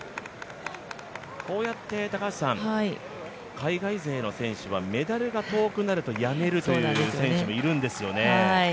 こうやって海外勢の選手はメダルが遠くなるとやめるという選手もいるんですよね。